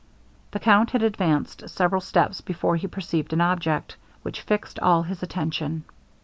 The Count had advanced several steps before he perceived an object, which fixed all his attention.